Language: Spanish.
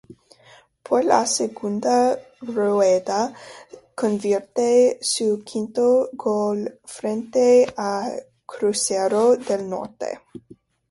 Por la segunda rueda convierte su quinto gol frente a Crucero del Norte.